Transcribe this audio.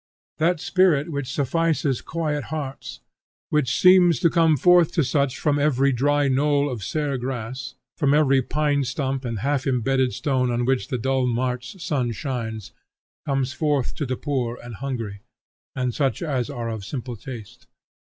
That spirit which suffices quiet hearts, which seems to come forth to such from every dry knoll of sere grass, from every pine stump and half imbedded stone on which the dull March sun shines, comes forth to the poor and hungry, and such as are of simple taste.